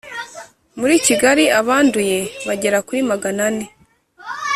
Muri Kigali abanduye bagera kuri Magana ane